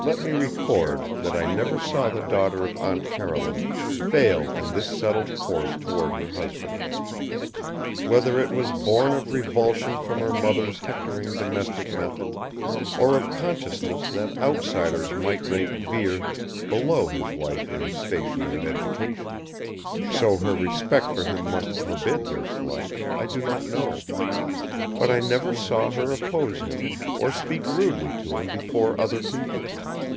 Let me record that I never saw the daughter of Aunt Caroline fail in this settled course toward her husband. Whether it was born of revulsion from her mother's hectoring domestic methods, or of consciousness that outsiders might rate Vere below his wife in station and education, so her respect for him must forbid their slight, I do not know. But I never saw her oppose him or speak rudely to him before other people.